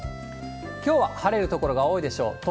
きょうは晴れる所が多いでしょう。